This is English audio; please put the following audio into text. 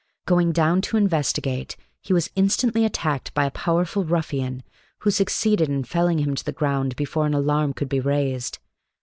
Going down to investigate, he was instantly attacked by a powerful ruffian, who succeeded in felling him to the ground before an alarm could be raised.